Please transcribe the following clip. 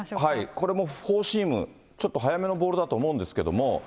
これもフォーシーム、ちょっと速めのボールだと思うんですけど。